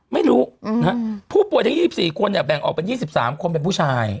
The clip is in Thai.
ไม่รู้ผู้ป่วยทั้ง๒๔คนเนี่ยแบ่งออกเป็น๒๓คนเป็นผู้ชาย